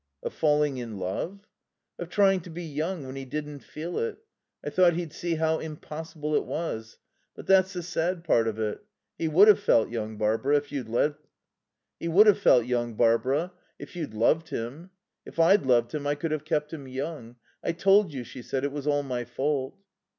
"Of falling in love?" "Of trying to be young when he didn't feel it. I thought he'd see how impossible it was. But that's the sad part of it. He would have felt young, Barbara, if you'd loved him. If I'd loved him I could have kept him young. I told you," she said, "it was all my fault."